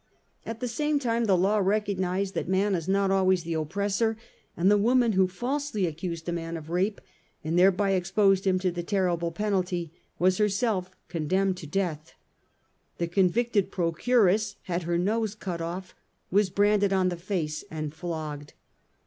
At the same time the law recognised that man is not always the oppressor, and the woman who falsely accused a man of rape and thereby exposed him to the terrible penalty, was herself condemned to death. The convicted pro curess had her nose cut off, was branded on the face and flogged.